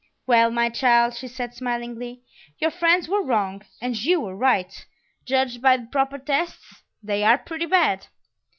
"Well, my child," she said smilingly, "your friends were wrong and you were right; judged by the proper tests, they are pretty bad."